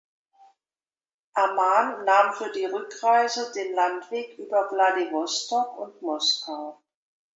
Aman nahm für die Rückreise den Landweg über Wladiwostok und Moskau.